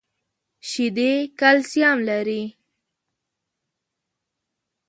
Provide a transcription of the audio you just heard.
شیدې کلسیم لري .